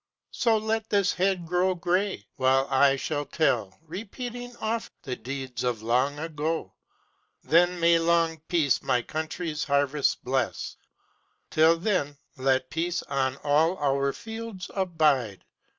So let this head grow gray, while I shall tell, Repeating oft, the deeds of long ago! Then may long Peace my country's harvests bless! Till then, let Peace on all our fields abide!